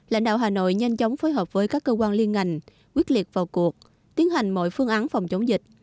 lãnh đạo hà nội nhanh chóng phối hợp với các cơ quan liên ngành quyết liệt vào cuộc tiến hành mọi phương án phòng chống dịch